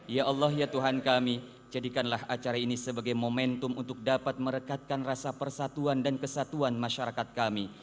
ya allah ya tuhan kami jadikanlah acara ini sebagai momentum untuk dapat merekatkan rasa persatuan dan kesatuan masyarakat kami